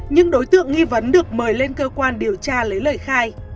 nhưng đối tượng nghi vấn được mời lên cơ quan điều tra lấy lời khai